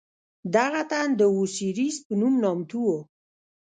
دغه تن د اوسیریس په نوم نامتوو.